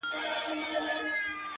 کاڼی مي د چا په لاس کي وليدی-